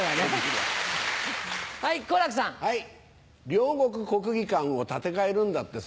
両国国技館を建て替えるんだってさ。